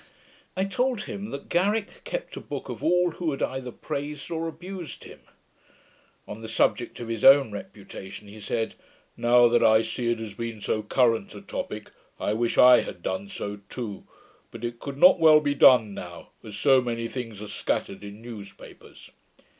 I told him, that Garrick kept a book of all who had either praised or abused him. On the subject of his own reputation, he said, 'Now that I see it has been so current a topick, I wish I had done so too; but it could not well be done now, as so many things are scattered in newspapers.'